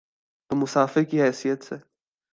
تو مسافر کی حیثیت سے۔